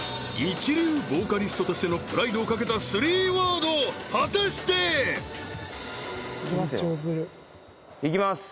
一流ボーカリストとしてのプライドを懸けた３ワード果たしていきます